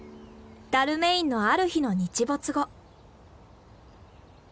ダルメインのある日の日没後。